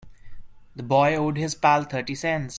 The boy owed his pal thirty cents.